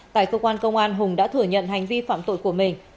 tại cơ quan công an hùng đã thừa nhận hành vi phạm tội của mình